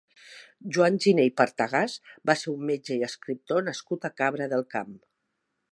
Joan Giné i Partagàs va ser un metge i escriptor nascut a Cabra del Camp.